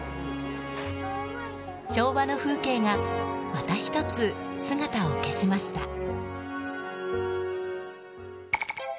昭和の風景がまた１つ、姿を消しました。